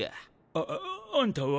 ああんたは？